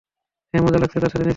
হ্যাঁ, মজা লাগছে তার সাথে নেচে।